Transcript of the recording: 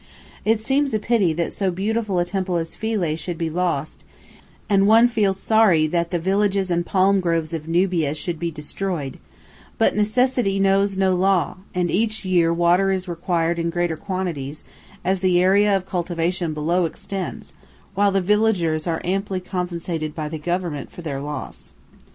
It seems a pity that so beautiful a temple as Philæ should be lost, and one feels sorry that the villages and palm groves of Nubia should be destroyed, but necessity knows no law, and each year water is required in greater quantities, as the area of cultivation below extends, while the villagers are amply compensated by the Government for their loss.